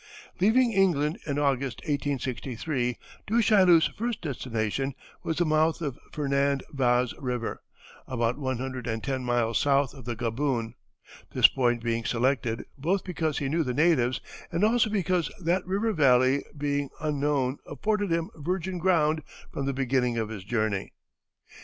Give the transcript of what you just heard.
Leaving England in August, 1863, Du Chaillu's first destination was the mouth of Fernand Vaz River, about one hundred and ten miles south of the Gaboon, this point being selected both because he knew the natives and also because that river valley being unknown afforded him virgin ground from the beginning of his journey.